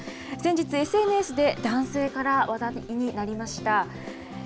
先日、ＳＮＳで男性から話題になりました。